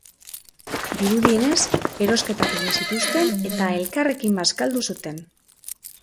Dirudienez, erosketak egin zituzten eta elkarrekin bazkaldu zuten.